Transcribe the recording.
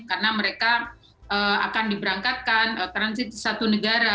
karena mereka akan diberangkatkan transit ke satu negara